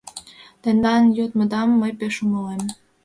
— Тендан йодмыдам мый пеш умылем.